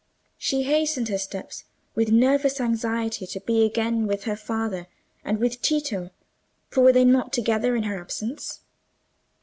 She hastened her steps, with nervous anxiety to be again with her father—and with Tito—for were they not together in her absence?